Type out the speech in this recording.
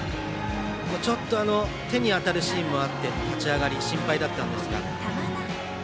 手に当たるシーンもあって立ち上がり、心配だったんですが。